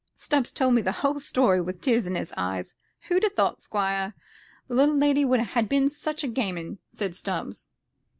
Stubbs told me the whole story, with tears in his eyes. 'Who'd ha' thought, Squire, the little lady would ha' been such a game 'un?' said Stubbs."